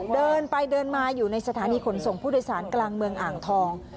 เดินไปเดินมาอยู่ในสถานีขนส่งผู้โดยสารกลางเมืองอ่างทอง